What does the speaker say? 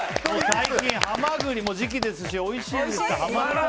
最近、ハマグリも時期ですしおいしいですから。